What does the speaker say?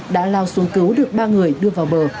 đã lao xuống cứu được ba người đưa vào bờ